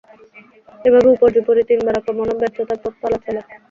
এভাবে উপর্যুপরি তিনবার আক্রমণ ও তার ব্যর্থতার পালা চলে।